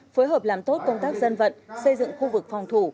phối hợp làm tốt công tác dân vận xây dựng khu vực phòng thủ